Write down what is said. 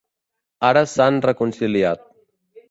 Ara s'han reconciliat.